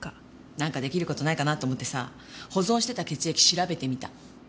なんか出来る事ないかなと思ってさ保存してた血液調べてみた。